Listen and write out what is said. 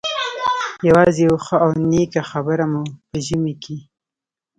یوازې یوه ښه او نېکه خبره مو په ژمي کې.